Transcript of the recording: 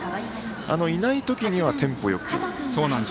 いない時にはテンポよく。